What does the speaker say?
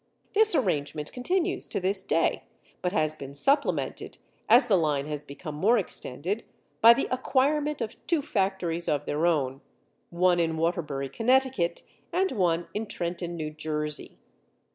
This arrangement continues to this day, but has been supplemented, as the line has become more extended, by the acquirement of two factories of their own, one in Waterbury, Connecticut, and one in Trenton, New Jersey.